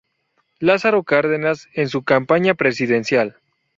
Lázaro Cárdenas en su campaña presidencial.